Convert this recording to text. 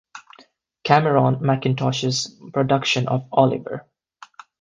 Cameron Mackintosh's production of Oliver!